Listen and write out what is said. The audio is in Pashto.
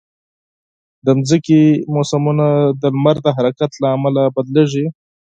د مځکې موسمونه د لمر د حرکت له امله بدلېږي.